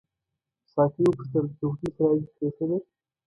ساقي وپوښتل: د هوټل کرایه دې پرېښوده؟